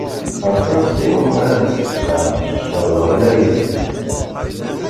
Aṭas iwumi ara d-tesqam ccerba ɣlayet.